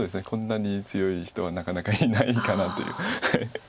こんなに強い人はなかなかいないかなという。